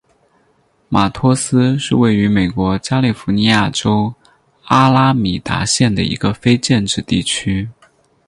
马托斯是位于美国加利福尼亚州阿拉米达县的一个非建制地区。